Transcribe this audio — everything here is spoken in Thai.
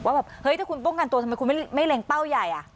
แบบเฮ้ยถ้าคุณป้องกันตัวทำไมคุณไม่เล็งเป้าใหญ่